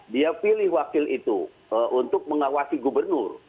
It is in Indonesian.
dia pilih wakil itu untuk mengawasi gubernur